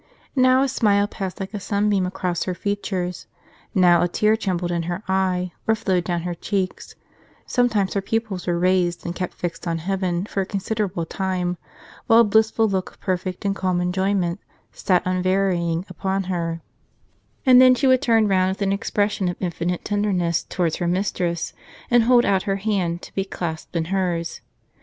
Now a smile passed like a sunbeam across her features, now a tear trembled in her eye, or flowed down her cheeks ; sometimes her pupils were raised and kept fixed on heaven for a considerable time, while a blissful look of perfect and calm enjoyment sat unvarying upon her ; and then she would turn round with an expression of infinite tenderness towards her mistress, and hold out her hand to be clasped in hers.